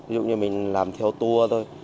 ví dụ như mình làm theo tour thôi